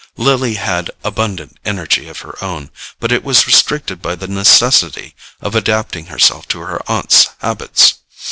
Lily had abundant energy of her own, but it was restricted by the necessity of adapting herself to her aunt's habits.